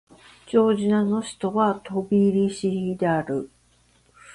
ジョージアの首都はトビリシである